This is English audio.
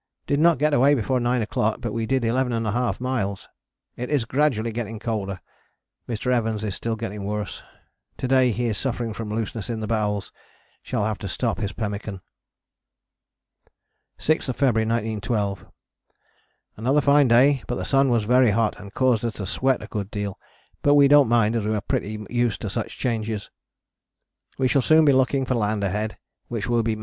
Did not get away before 9 o'clock but we did 11½ miles, it is gradually getting colder. Mr. Evans is still getting worse, to day he is suffering from looseness in the bowels: shall have to stop his pemmican. 6th February 1912. Another fine day but sun was very hot and caused us to sweat a good deal, but we dont mind as we are pretty used to such changes. We shall soon be looking for land ahead, which will be Mt.